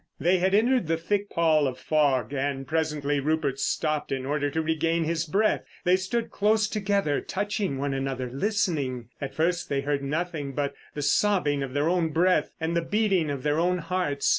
They had entered the thick pall of fog, and presently Rupert stopped in order to regain his breath. They stood close together, touching one another, listening. At first they heard nothing but the sobbing of their own breath, and the beating of their own hearts.